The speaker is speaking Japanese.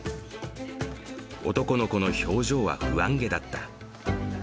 男の子の表情は不安げだった。